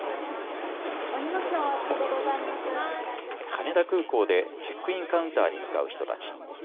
羽田空港でチェックインカウンターに向かう人たち。